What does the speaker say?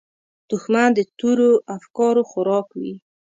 دښمن د تورو افکارو خوراک وي